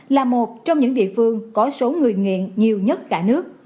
là một trong những địa phương có số người nghiện nhiều nhất cả nước